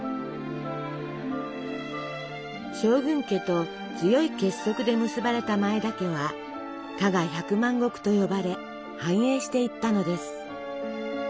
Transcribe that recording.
将軍家と強い結束で結ばれた前田家は「加賀百万石」と呼ばれ繁栄していったのです。